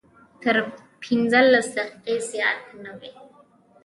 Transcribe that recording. تر پنځلس دقیقې زیات نه وي.